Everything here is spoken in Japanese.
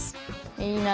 いいな。